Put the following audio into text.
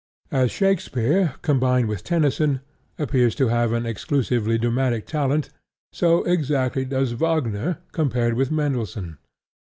As Shakespeare, compared with Tennyson, appears to have an exclusively dramatic talent, so exactly does Wagner compared with Mendelssohn.